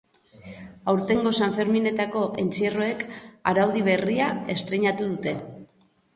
Aurtengo sanferminetako entzierroek araudi berria estreinatu dute.